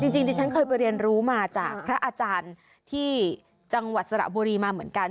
จริงดิฉันเคยไปเรียนรู้มาจากพระอาจารย์ที่จังหวัดสระบุรีมาเหมือนกัน